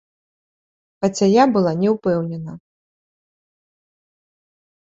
Хаця я была не ўпэўнена.